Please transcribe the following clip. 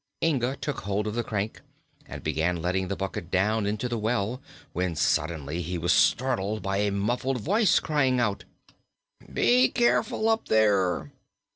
Inga took hold of the crank and began letting the bucket down into the well, when suddenly he was startled by a muffled voice crying out: "Be careful, up there!"